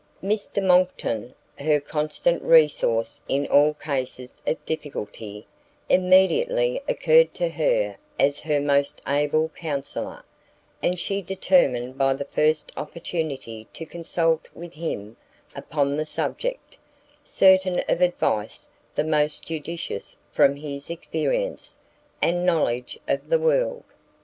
Mr Monckton, her constant resource in all cases of difficulty, immediately occurred to her as her most able counsellor, and she determined by the first opportunity to consult with him upon the subject, certain of advice the most judicious from his experience, and knowledge of the world.